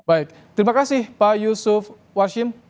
baik terima kasih pak yusuf washim